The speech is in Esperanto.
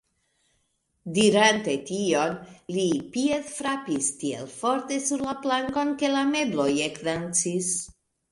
Dirante tion, li piedfrapis tiel forte sur la plankon, ke la mebloj ekdancis.